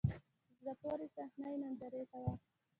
په زړه پورې صحنه یې نندارې ته و.